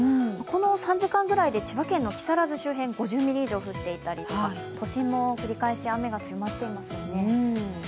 この３時間ぐらいで千葉県の木更津周辺、５０ミリ以上降っていたりとか都心も繰り返し雨が強まっていますよね。